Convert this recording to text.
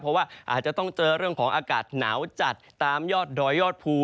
เพราะว่าอาจจะต้องเจอเรื่องของอากาศหนาวจัดตามยอดดอยยอดภู